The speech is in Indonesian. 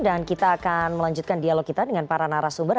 dan kita akan melanjutkan dialog kita dengan para narasumber